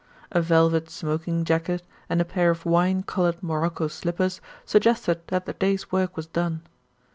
A velvet smoking jacket and a pair of wine coloured morocco slippers suggested that the day's work was done.